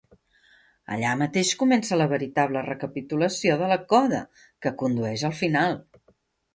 Allà mateix comença la veritable recapitulació de la coda, que condueix al final.